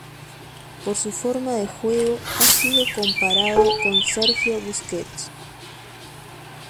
Por su forma de juego, ha sido comparado con Sergio Busquets.